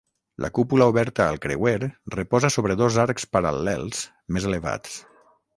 La cúpula oberta al creuer reposa sobre dos arcs paral·lels, més elevats.